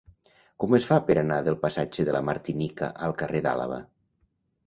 Com es fa per anar del passatge de la Martinica al carrer d'Àlaba?